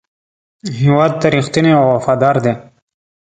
هېواد ته رښتینی او وفادار دی.